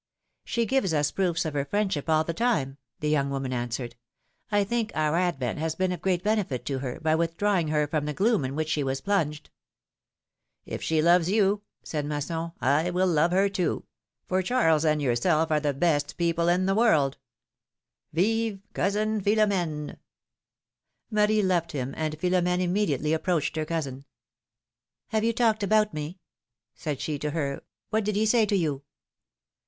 ^'She gives us proofs of her friendship all the time," the young woman answered. think our advent has been of great benefit to her, by withdrawing her from the gloom in which she was plunged." ^^If she loves you," said Masson, will love her, too; philomJ^ne's marriages. 139 for Charles and yourself are the best people in the world. Vive ! cousin Philom^ne ! Marie left him, and Philom^ne immediately approached her cousin. ^^Have you talked about me?^^ said she to her; ^^what did he say to you